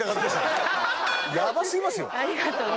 ヤバ過ぎますよ。